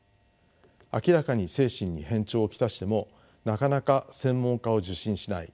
明らかに精神に変調を来してもなかなか専門家を受診しない。